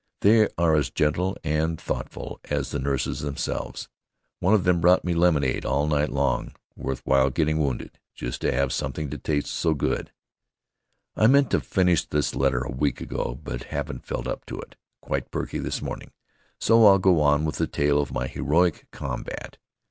They are as gentle and thoughtful as the nurses themselves. One of them brought me lemonade all night long. Worth while getting wounded just to have something taste so good. I meant to finish this letter a week ago, but haven't felt up to it. Quite perky this morning, so I'll go on with the tale of my "heroic combat."